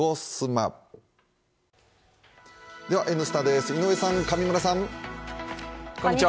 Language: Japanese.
「Ｎスタ」です、井上さん、上村さん？